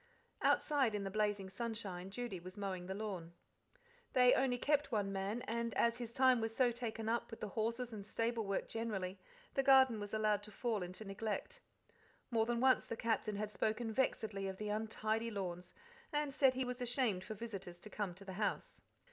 Outside in the blazing sunshine Judy was mowing the lawn. They only kept one man, and, as his time was so taken up with the horses and stable work generally, the garden was allowed to fall into neglect. More than once the Captain had spoken vexedly of the untidy lawns, and said he was ashamed for visitors to come to the house.